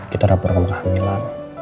kita rapor kemukhamilan